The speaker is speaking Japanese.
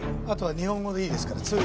あとは日本語でいいですから。